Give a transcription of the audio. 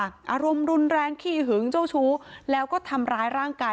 อารมณ์รุนแรงขี้หึงเจ้าชู้แล้วก็ทำร้ายร่างกาย